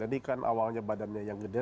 jadi kan awalnya badannya yang gede